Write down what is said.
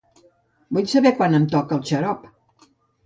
Vull saber quan em toca el xarop.